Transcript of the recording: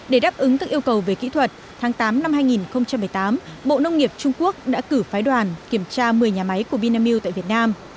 để đáp ứng các yêu cầu về kỹ thuật tháng tám năm hai nghìn một mươi tám bộ nông nghiệp trung quốc đã cử phái đoàn kiểm tra một mươi nhà máy của vinamilk tại việt nam